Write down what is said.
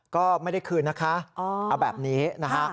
ก็ไม่ได้คืนนะคะเอาแบบนี้นะฮะ